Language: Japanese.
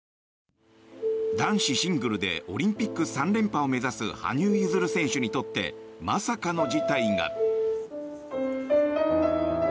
男子シングルでオリンピック３連覇を目指す羽生結弦選手にとってまさかの事態が。